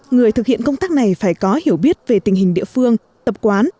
người thực hiện công tác này phải có hiểu biết về tình hình địa phương tập quán